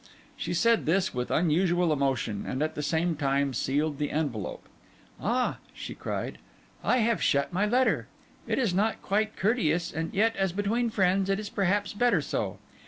She said this with unusual emotion; and, at the same time, sealed the envelope. 'Ah!' she cried, 'I have shut my letter! It is not quite courteous; and yet, as between friends, it is perhaps better so.